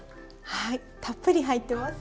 はいたっぷり入ってます。